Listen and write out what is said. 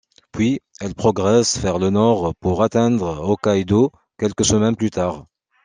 Puis, elle progresse vers le nord pour atteindre Hokkaidō quelques semaines plus tard.